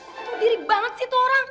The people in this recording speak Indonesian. tunggu diri banget sih itu orang